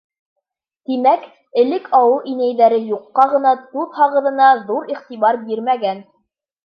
Тимәк, элек ауыл инәйҙәре юҡҡа ғына туҙ һағыҙына ҙур иғтибар бирмәгән.